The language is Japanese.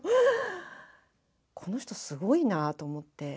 この人すごいなぁと思って。